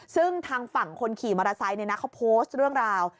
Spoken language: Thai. ซึ่งทางฝั่งคนขี่มอเตอร์ไซค์เขาโพสต์เรื่องราว